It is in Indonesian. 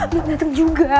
belum dateng juga